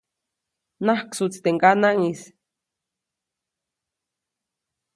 Najksuʼtsi teʼ ŋganaŋʼis.